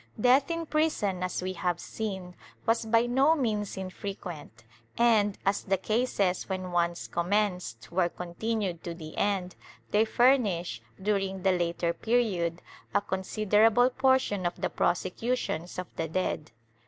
Death in prison, as we have seen, w^as by no means infrequent and, as the cases when once commenced were continued to the end, they furnish, during the later period, a considerable portion of the prosecutions of the dead.